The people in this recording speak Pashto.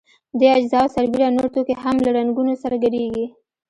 دې اجزاوو سربېره نور توکي هم له رنګونو سره ګډیږي.